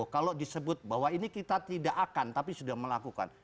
kalau disebut bahwa ini kita tidak akan tapi sudah melakukan